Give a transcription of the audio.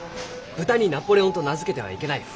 豚にナポレオンと名付けてはいけないフランス。